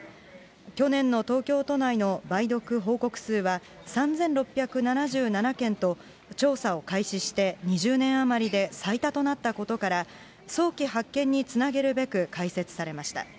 去年の東京都内の梅毒報告数は３６７７件と、調査を開始して２０年余りで最多となったことから、早期発見につなげるべく開設されました。